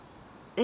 え？